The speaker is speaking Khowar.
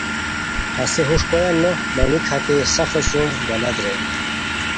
ہسے ہوݰ کویان نو، مہ میک ہتئے سفوسُم بلت رے